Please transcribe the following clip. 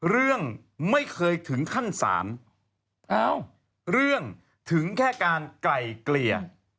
เรื่องไม่เคยถึงขั้นศาลเอ้าเรื่องถึงแค่การไกล่เกลี่ย